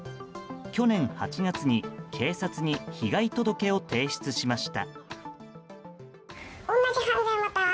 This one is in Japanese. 去年８月に警察に被害届を提出しました。